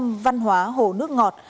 tâm văn hóa hồ nước ngọt